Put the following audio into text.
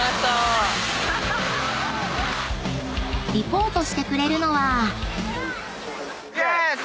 ［リポートしてくれるのは］